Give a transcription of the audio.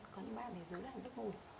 có những bạn thì giữ lại nước mùi